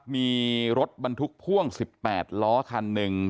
มีรถบรรทุกพ่วง๑๘ล้อคันหนึ่ง